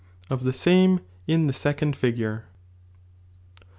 — Oftte same in the second Figure.